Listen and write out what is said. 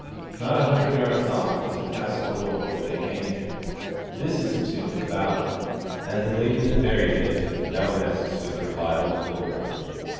Not a hundred yards off was the castle door where they hanged him; this is the tomb of the ballad, and the lady that buried him rests now with her wild lord.